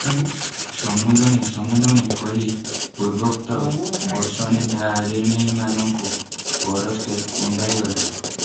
'ସମୁନ୍ଧୁଣୀ ସମୁନ୍ଧୁଣୀ' କହି ପୂର୍ବୋକ୍ତ ବସଣିଧାରିଣୀମାନଙ୍କୁ ପରସ୍ତେ କୁଣ୍ଢାଇଗଲେ ।